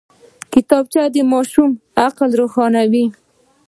کتابچه د ماشوم عقل روښانوي